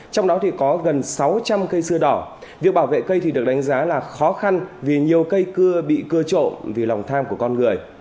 trong đó thì có gần sáu trăm linh cây xưa đỏ việc bảo vệ cây thì được đánh giá là khó khăn vì nhiều cây cưa bị cưa trộn vì lòng tham của con người